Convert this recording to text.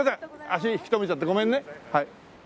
足引き留めちゃってごめんね。